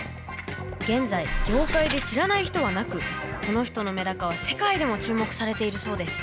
現在業界で知らない人はなくこの人のメダカは世界でも注目されているそうです。